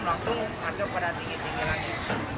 langsung masuk pada tinggi tinggi lagi